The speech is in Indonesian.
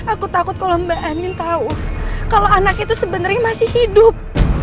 aku takut kalau mbak amin tahu kalau anak itu sebenarnya masih hidup